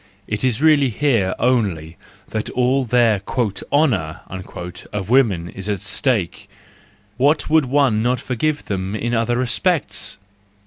It is really here only that all the "honour" of woman is at stake; what would one not forgive them in other respects!